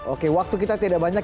oke waktu kita tidak banyak